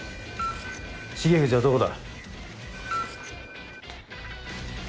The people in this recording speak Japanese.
重藤はどこだ？